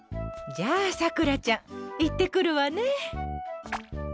じゃあ、さくらちゃん行ってくるわね。